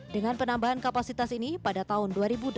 dengan penambahan kapasitas ini pada tahun dua ribu delapan belas